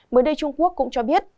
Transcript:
mới đây trung quốc cũng cho biết